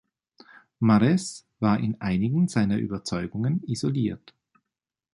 Marais war in einigen seiner Überzeugungen isoliert.